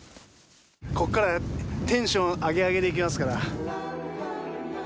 ここからテンションアゲアゲでいきますから。